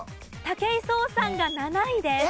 武井壮さんが７位です。